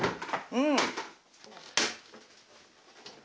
うん。